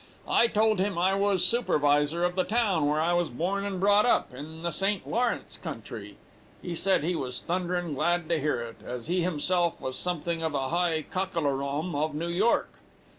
I told him I was supervisor of the town where I was born and brought up, in the St. Lawrence country. He said he was thunderin' glad to hear it, as he himself was something of a high cockalorum of New York.